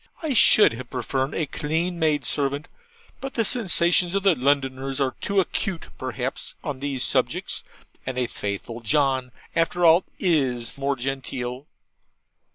I should have preferred a clean maidservant, but the sensations of Londoners are too acute perhaps on these subjects; and a faithful John, after all, IS more genteel.